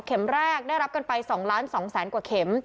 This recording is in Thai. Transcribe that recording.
เข็มแรกได้รับกันไปสองล้านสองแสนกว่าเข็ม